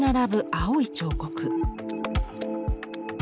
青い彫刻。